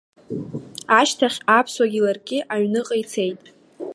Ашьҭахь аԥсуагьы ларгьы аҩныҟа ицеит.